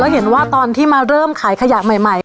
เห็นว่าตอนที่มาเริ่มขายขยะใหม่